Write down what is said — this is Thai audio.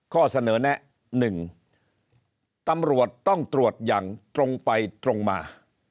ข้อเสนอแนะ๑ตำรวจต้องตรวจอย่างตรงไปตรงมา